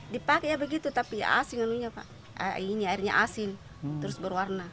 dipakai begitu tapi airnya asin terus berwarna